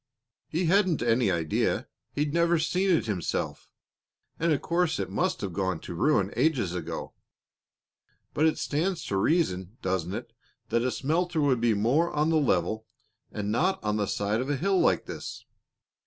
"He hadn't any idea. He'd never seen it himself, and of course it must have gone to ruin ages ago. But it stands to reason, doesn't it, that a smelter would be more on the level and not on the side of a hill like this?